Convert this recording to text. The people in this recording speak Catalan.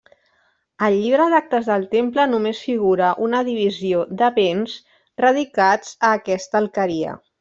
Al Llibre d'actes del Temple només figura una divisió de béns radicats a aquesta alqueria.